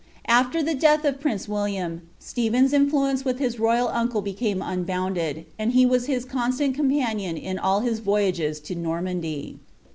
"' After the death of prince William, Stephen's influence with his rwil uncle became unbounded, and he was his constant companion in all hii voyages to Normandy.